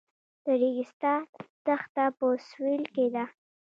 د ریګستان دښته په سویل کې ده